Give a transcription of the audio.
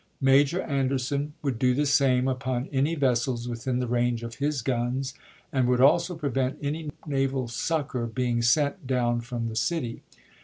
Major Anderson would do the same upon any vessels within the range of his guns, and would also prevent any naval succor being sent down from the city.